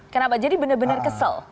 kenapa jadi benar benar kesel